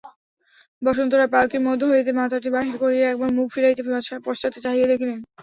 বসন্ত রায় পালকির মধ্য হইতে মাথাটি বাহির করিয়া একবার মুখ ফিরাইয়া পশ্চাতে চাহিয়া দেখিলেন।